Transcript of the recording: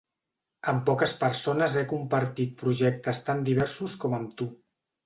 Amb poques persones he compartit projectes tan diversos com amb tu.